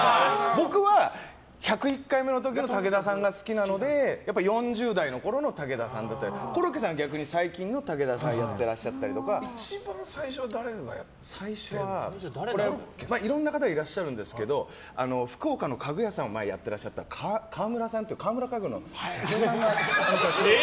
僕は、「１０１回目」の時の武田さんが好きなので４０代のころの武田さんだったりコロッケさんは最近の武田さんをやっていらっしゃったりとか。一番最初は誰がやったんですか？いろんな方がいらっしゃるんですけど福岡の家具屋さんを前、やっていらしたカワムラさんというカワムラ家具の。